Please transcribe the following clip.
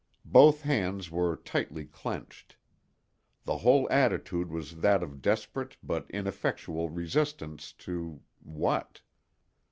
Both hands were tightly clenched. The whole attitude was that of desperate but ineffectual resistance to—what?